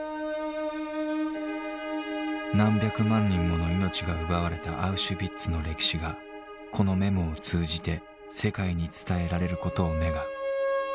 「何百万人もの命が奪われたアウシュビッツの歴史がこのメモを通じて世界に伝えられることを願う。